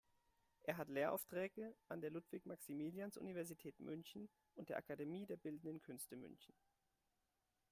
Er hat Lehraufträge an der Ludwig-Maximilians-Universität München und der Akademie der Bildenden Künste München.